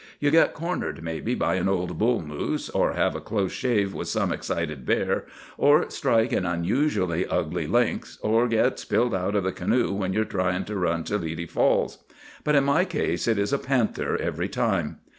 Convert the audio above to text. You get cornered maybe by an old bull moose, or have a close shave with some excited bear, or strike an unusually ugly lynx, or get spilled out of the canoe when you're trying to run Toledi Falls; but in my case it is a panther every time.